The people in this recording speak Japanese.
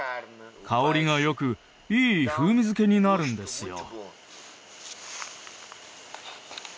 香りがよくいい風味づけになるんですよ